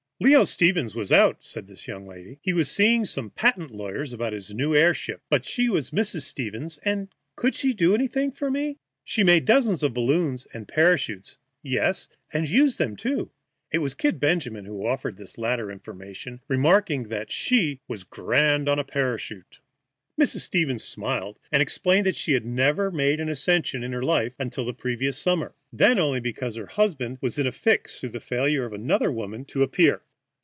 Leo Stevens was out, said this young lady; he was seeing some patent lawyers about his new air ship, but she was Mrs. Stevens, and could she do anything for me? I asked various questions, and she answered them from a wide practical knowledge. She had made dozens of balloons and parachutes yes, and used them, too. It was "Kid" Benjamin who offered this latter information, remarking that she was "grand on a parachute." Mrs. Stevens smiled, and explained that she had never made an ascension in her life until the previous summer, and then only because her husband was in a fix through the failure of another woman to appear.